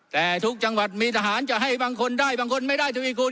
แต่ทุกจังหวัดมีทหารจะให้บางคนได้บางคนไม่ได้ทวีคุณ